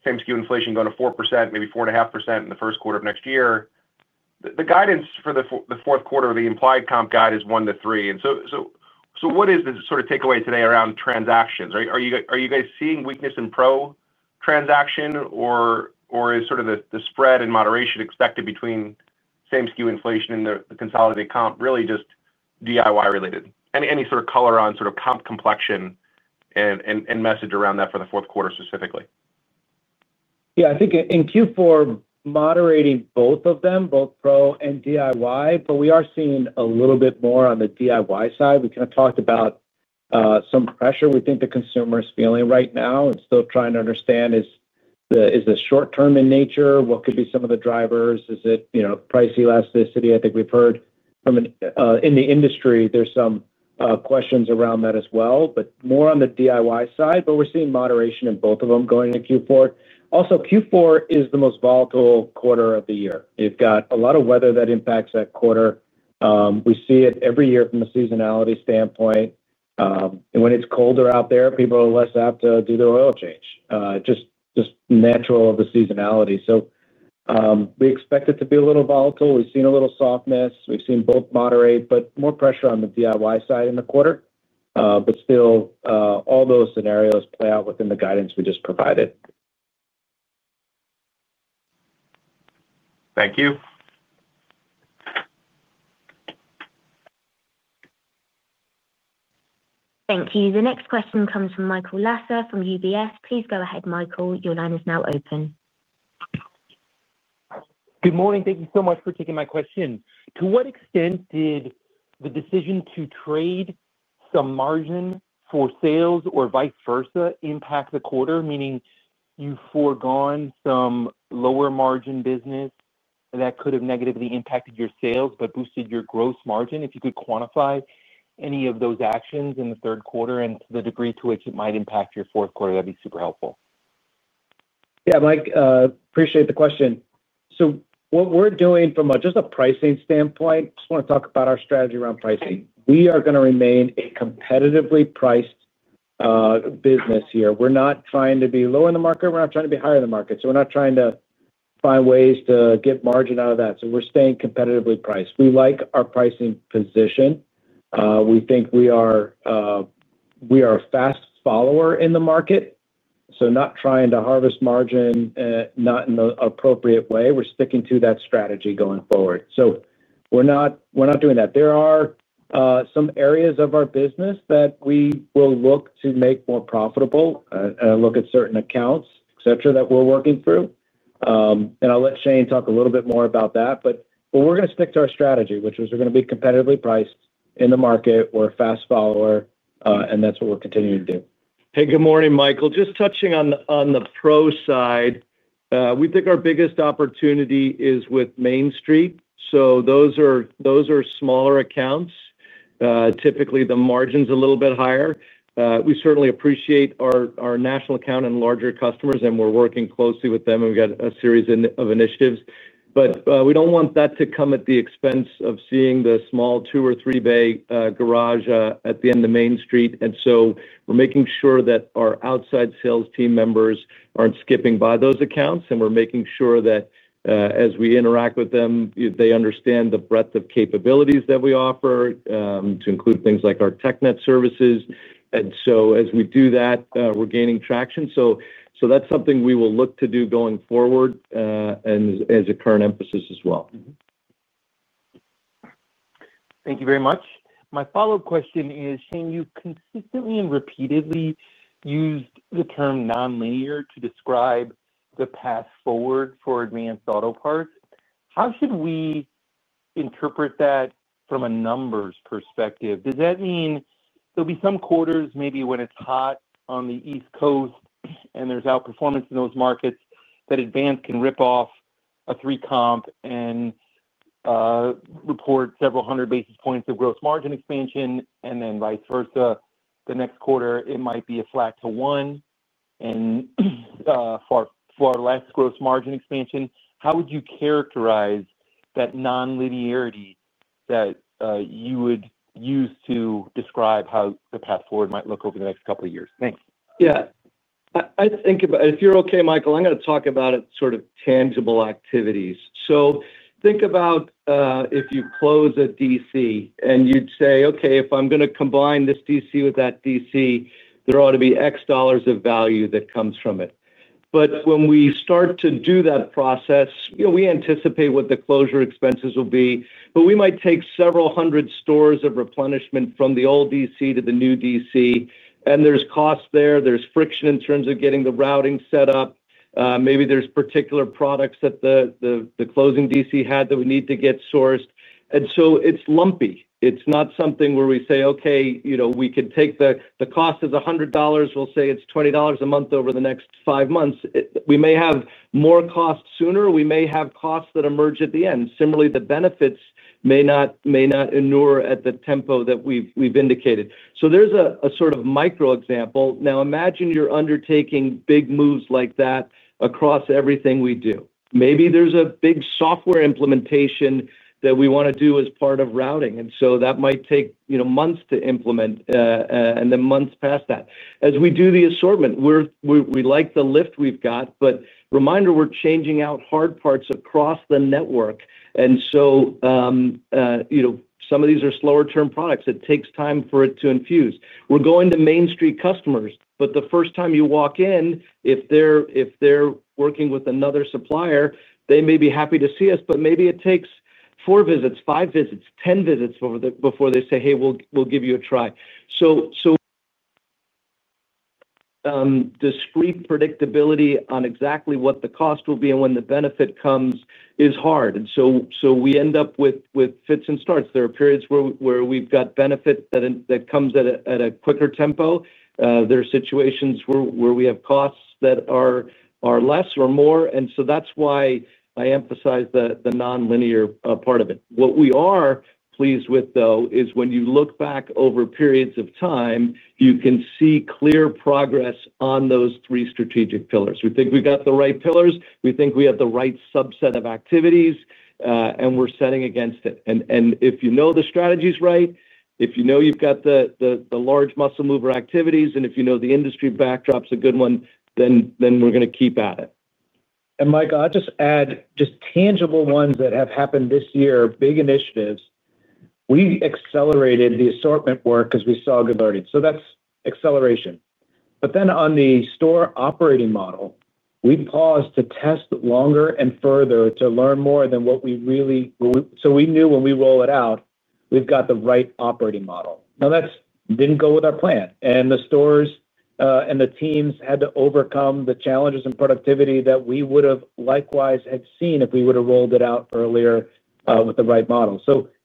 same SKU inflation going to 4%, maybe 4.5% in the first quarter of next year. The guidance for the fourth quarter, the implied comp guide is 1% -3%. What is the sort of takeaway today around transactions? Are you guys seeing weakness in Pro transaction or is sort of the spread? Moderation expected between same SKU inflation in the consolidated comp, really just DIY-related. Any sort of color on sort of comp complexion and message around that for the fourth quarter specifically? Yeah, I think in Q4 moderating both of them, both Pro and DIY. We are seeing a little bit more on the DIY side. We kind of talked about some pressure we think the consumer is feeling right now and still trying to understand is this short term in nature, what could be some of the drivers? Is it price elasticity? I think we've heard in the industry there's some questions around that as well, more on the DIY side. We are seeing moderation in both of them going into Q4. Q4 is the most volatile quarter of the year. You've got a lot of weather that impacts that quarter. We see it every year from a seasonality standpoint. When it's colder out there, people are less apt to do their oil change. Just natural, the seasonality. We expect it to be a little volatile. We've seen a little softness. We've seen both moderate but more pressure on the DIY side in the quarter. All those scenarios play out within the guidance we just provided. Thank you. Thank you. The next question comes from Michael Lasser from UBS. Please go ahead, Michael. Your line is now open. Good morning. Thank you so much for taking my question. To what extent did the decision to trade the margin for sales or vice versa impact the quarter, meaning you foregone some lower margin business that could have negatively impacted your sales but boosted your gross margin? If you could quantify any of those actions in the third quarter and the degree to which it might impact your fourth quarter, that'd be super helpful. Yeah, Mike, appreciate the question. What we're doing from just a pricing standpoint, I just want to talk about our strategy around pricing. We are going to remain a competitively priced business here. We're not trying to be low in the market, we're not trying to be higher in the market. We're not trying to find ways to get margin out of that. We're staying competitively priced. We like our pricing position. We think we are a fast follower in the market. Not trying to harvest margin, not in the appropriate way. We're sticking to that strategy going forward. We're not doing that. There are some areas of our business. That we will look to make more profitable, look at certain accounts, etc. that we're working through. I'll let Shane talk a little bit more about that. We're going to stick to our strategy, which was we're going to be competitively priced in the market. We're a fast follower, and that's what we'll continue to do. Hey, good morning, Michael. Just touching on the Pro side, we think our biggest opportunity is with Main Street. Those are smaller accounts. Typically the margin's a little bit higher. We certainly appreciate our national account and larger customers, and we're working closely with them, and we've got a series of initiatives, but we don't want that to come at the expense of seeing the small two or three bay garage at the end of Main Street. We're making sure that our outside sales team members aren't skipping by those accounts, and we're making sure that as we interact with them, they understand the breadth of capabilities that we offer, to include things like our TechNet services. As we do that, we're gaining traction. That's something we will look to do going forward and is a current emphasis as well. Thank you very much. My follow up question is Shane, you consistently and repeatedly used the term nonlinear to describe the path forward for Advance Auto Parts. How should we interpret that from a numbers perspective? Does that mean there'll be some quarters? Maybe when it's hot on the East Coast and there's outperformance in those markets. Advance Auto Parts can rip off a 3 comp and report several hundred basis points of gross margin expansion, and then vice versa, the next quarter it might be a flat to one and for less gross margin expansion. How would you characterize that non-linearity that you would use to describe how the path forward might look over the next couple of years? Thanks. Yeah, I think about if you're okay, Michael, I'm going to talk about it. Sort of tangible activities. Think about if you close a DC and you'd say, okay, if I'm going to combine this DC with that DC, there ought to be X dollars of value that comes from it. When we start to do that process, we anticipate what the closure expenses will be. We might take several hundred stores of replenishment from the old DC to the new DC and there's costs there. There's friction in terms of getting the routing set up. Maybe there's particular products that the closing DC had that we need to get sourced. It's lumpy. It's not something where we say, okay, we could take the cost of the $100, we'll say it's $20 a month over the next five months. We may have more costs sooner, we may have costs that emerge at the end. Similarly, the benefits may not inure at the tempo that we've indicated. There's a sort of micro example. Now imagine you're undertaking big moves like that across everything we do. Maybe there's a big software implementation that we want to do as part of routing. That might take months to implement and then months past that as we do the assortment. We're, we like the lift we've got, but reminder, we're changing out hard parts across the network. Some of these are slower term products. It takes time for it to infuse. We're going to Main Street customers. The first time you walk in, if they're working with another supplier, they may be happy to see us, but maybe it takes four visits, five visits, 10 visits before they say, hey, we'll give you a try. So, so discrete predictability on exactly what the cost will be and when the benefit comes is hard. We end up with fits and starts. There are periods where we've got benefit that comes at a quicker tempo. There are situations where we have costs that are less or more. That's why I emphasize that the nonlinear part of it, what we are pleased with though is when you look back over periods of time, you can see clear progress on those three strategic pillars. We think we got the right pillars, we think we have the right subset of activities and we're setting against it. If you know the strategy's right, if you know you've got the large muscle mover activities and if you know the industry backdrop's a good one, then we're going to keep at it. Michael, I'll just add just tangible ones that have happened this year. Big initiatives, we accelerated the assortment work because we saw good learning. That's acceleration. On the store operating model, we paused to test longer and further to learn more than what we really. We knew when we roll it out we've got the right operating model now. That didn't go with our plan, and the stores and the teams had to overcome the challenges and productivity that we would have likewise had seen if we would have rolled it out earlier with the right model.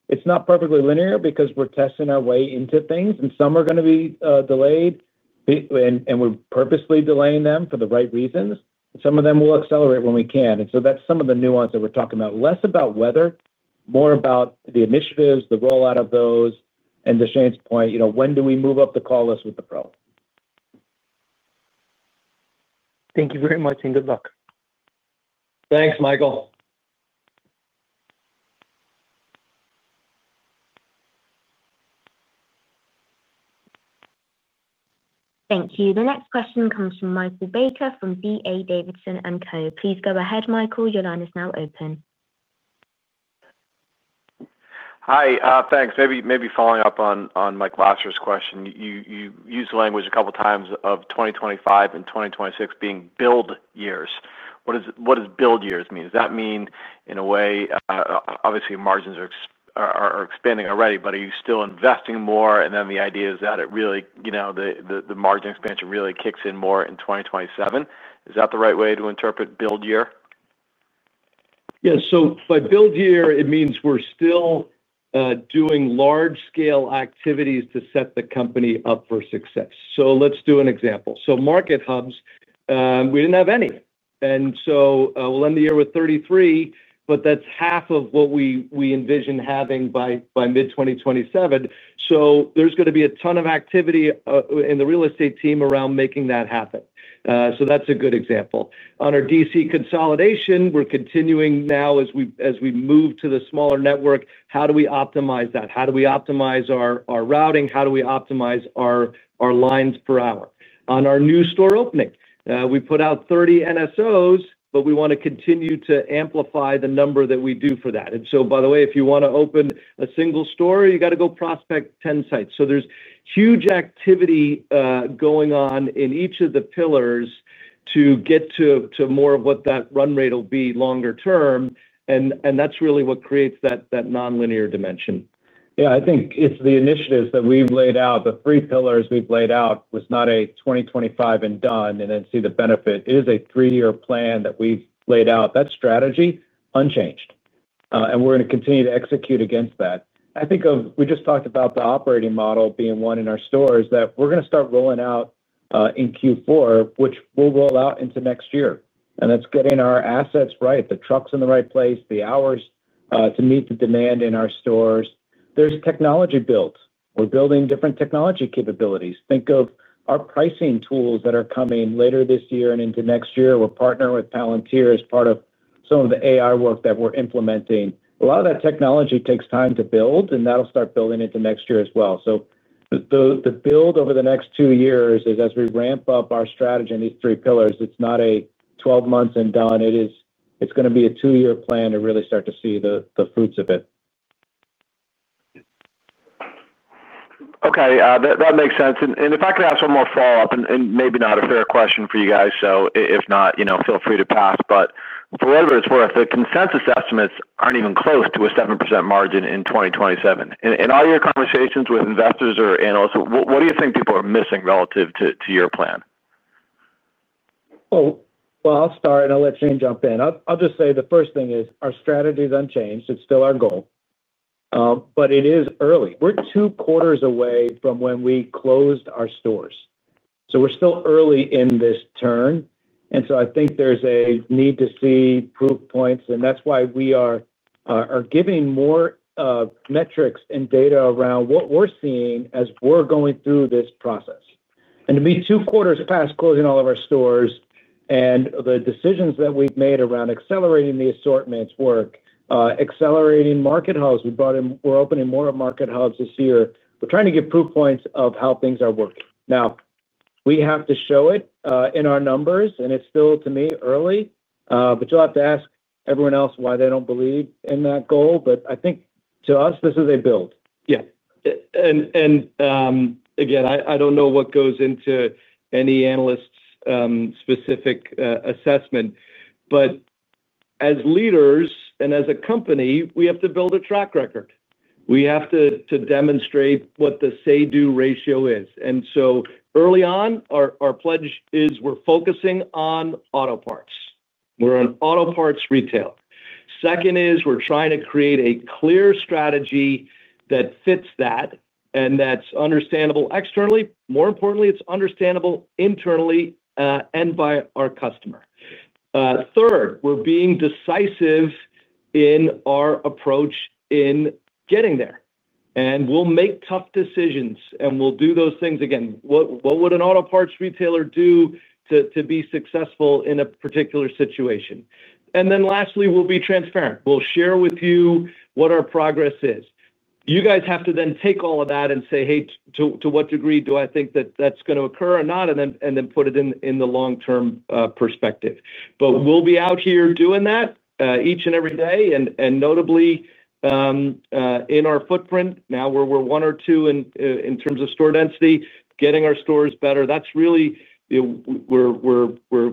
It's not perfectly linear because we're testing our way into things, and some are going to be delayed and we're purposely delaying them for the right reasons. Some of them will accelerate when we can. That's some of the nuance that we're talking about. Less about weather, more about the initiatives. The rollout of those, to Shane's point, when do we move up the call list with the Pro? Thank you very much and good luck. Thanks Michael. Thank you. The next question comes from Michael Baker from D.A. Davidson & Co. Please go ahead. Michael, your line is now open. Hi, thanks. Maybe following up on Mike Lasser's question, you used language a couple times of 2025 and 2026 being build years. What does build years mean? Does that mean in a way, obviously margins are expanding already, but are you still investing more? The idea is that it really, you know, the margin expansion really kicks in more in 2027. Is that the right way to interpret build year? Yes. By build year it means we're still doing large scale activities to set the company up for success. Let's do an example. Market hubs, we didn't have any and we'll end the year with 33, but that's half of what we envision having by mid-2027. There's going to be a ton of activity in the real estate team around making that happen. That's a good example. On our DC consolidation we're continuing now as we move to the smaller network. How do we optimize that? How do we optimize our routing? How do we optimize our lines per hour? On our new store opening, we put out 30 NSOs, but we want to continue to amplify the number that we do for that. By the way, if you want to open a single store, you got to go prospect 10 sites. There's huge activity going on in each of the pillars to get to more of what that run rate will be longer term and that's really what creates that nonlinear dimension. Yeah, I think it's the initiatives that we've laid out. The three pillars we've laid out was not a 2025 and done. Then see the benefit is a three year plan that we've laid out, that strategy unchanged, and we're going to continue to execute against that. I think we just talked about that operating model being one in our stores that we're going to start rolling out in Q4, which will roll out into next year. That's getting our assets right, the trucks in the right place, the hours to meet the demand. In our stores there's technology built. We're building different technology capabilities. Think of our pricing tools that are coming later this year and into next year. We're partnering with Palantir as part of some of the AI work that we're implementing. A lot of that technology takes time to build and that'll start building into next year as well. The build over the next two years is as we ramp up our strategy in these three pillars, it's not a 12 months and done, it's going to be a two year plan to really start to see the fruits of it. Okay, that makes sense. If I could ask one more follow up and maybe not a fair question for you guys, so if not, feel free to pass for whatever it's worth, the consensus estimates aren't even close to a 7% margin in 2027. In all your conversations with investors or analysts, what do you think people are missing relative to your plan? I'll start and I'll let Shane jump in. I'll just say the first thing is our strategy is unchanged. It's still our goal but it is early. We're two quarters away from when we closed our stores, so we're still early in this turn. I think there's a need to see proof points, and that's why we are giving more metrics and data around what we're seeing as we're going through this process. To be two quarters past closing all of our stores and the decisions that we've made around accelerating the assortments work, accelerating market hubs we brought in, we're opening more market hubs this year. We're trying to get proof points of how things are working. Now we have to show it in our numbers, and it's still to me early, but you'll have to ask everyone else why they don't believe in that goal. I think to us this is a build. Yeah. I don't know what goes into any analyst's specific assessment, but as leaders and as a company, we have to build a track record. We have to demonstrate what the say-do ratio is. Early on, our pledge is we're focusing on auto parts. We're on auto parts retail. Second is we're trying to create a clear strategy that fits that and that's understandable externally. More importantly, it's understandable internally and by our customer. Third, we're being decisive in our approach in getting there and we'll make tough decisions and we'll do those things again. What would an auto parts retailer do to be successful in a particular situation? Lastly, we'll be transparent. We'll share with you what our progress is. You guys have to then take all of that and say, hey, to what degree do I think that that's going to occur or not? Then put it in the long-term perspective. We'll be out here doing that each and every day and notably in our footprint now where we're one or two in terms of store density, getting our stores better. That's really you. We're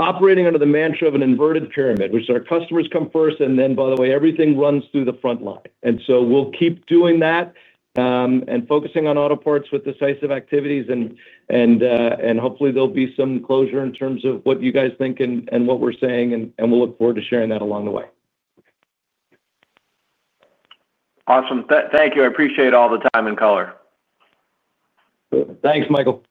operating under the mantra of an inverted pyramid, which our customers come first and then, by the way, everything runs through the front line. We'll keep doing that and focusing on auto parts with decisive activities, and hopefully there'll be some closure in terms of what you guys think and what we're saying, and we'll look forward to sharing that along the way. Awesome. Thank you. I appreciate all the time and color. Thanks Michael.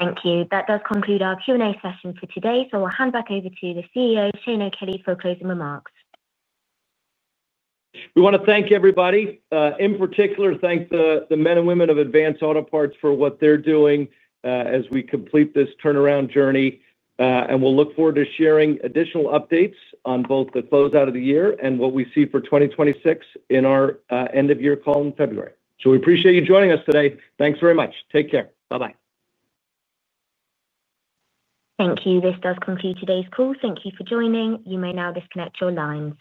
Thank you. That does conclude our Q&A session for today. We'll hand back over to the CEO Shane O'Kelly for closing remarks. We want to thank everybody, in particular thank the men and women of Advance Auto Parts for what they're doing as we complete this turnaround journey, and we'll look forward to sharing additional updates on both the close out of the year and what we see for 2026 in our end of year call in February. We appreciate you joining us today. Thanks very much. Take care. Bye-bye. Thank you. This does conclude today's call. Thank you for joining. You may now disconnect your lines.